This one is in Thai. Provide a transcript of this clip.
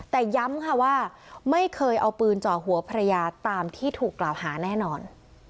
แต่ย้ำค่ะว่าไม่เคยเอาปืนเจาะหัวภรรยาตามที่ถูกกล่าวหาแน่นอน